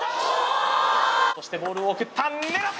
そしてボールを送った狙った！